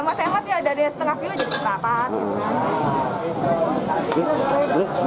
hemat hemat ya dari setengah kilo jadi keserapan